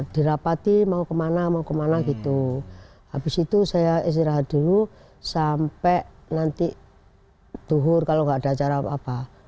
dirapati mau kemana mau kemana gitu habis itu saya istirahat dulu sampai nanti duhur kalau nggak ada acara apa apa